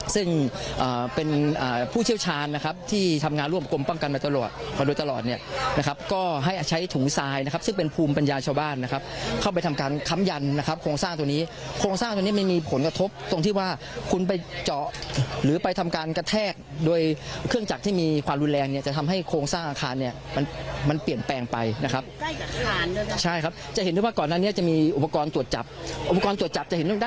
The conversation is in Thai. ซึ่งเป็นผู้เชี่ยวชาญนะครับที่ทำงานร่วมกลมป้องกันมาตลอดตลอดเนี่ยนะครับก็ให้ใช้ถุงซายนะครับซึ่งเป็นภูมิปัญญาชาวบ้านนะครับเข้าไปทำการค้ำยันนะครับโครงสร้างตัวนี้โครงสร้างตัวนี้มันมีผลกระทบตรงที่ว่าคุณไปเจาะหรือไปทำการกระแทกโดยเครื่องจักรที่มีความรุนแรงเนี่ยจะทำให้โครงสร้างอา